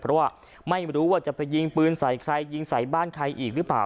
เพราะว่าไม่รู้ว่าจะไปยิงปืนใส่ใครยิงใส่บ้านใครอีกหรือเปล่า